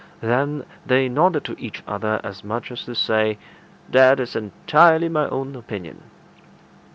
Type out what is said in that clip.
Then they nodded to each other as much as to say, "That is entirely my own opinion."